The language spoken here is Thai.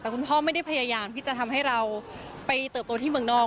แต่คุณพ่อไม่ได้พยายามที่จะทำให้เราไปเติบโตที่เมืองนอก